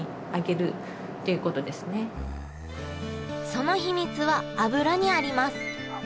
その秘密は油にあります。